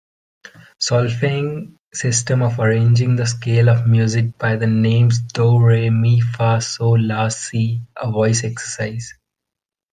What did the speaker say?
Solfaing system of arranging the scale of music by the names do, re, mi, fa, sol, la, si a voice exercise.